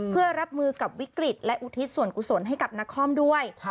เพื่อรับมือกับวิกฤตและอุทิศส่วนกุศลให้กับนครด้วย